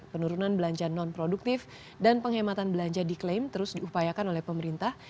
penurunan belanja non produktif dan penghematan belanja diklaim terus diupayakan oleh pemerintah